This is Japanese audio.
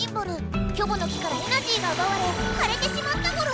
「キョボの木」からエナジーがうばわれかれてしまったゴロ。